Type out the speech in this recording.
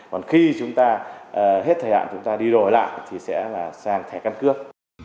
còn khi chúng ta hết thời hạn chúng ta đi đổi lại thì sẽ là sang thẻ căn cước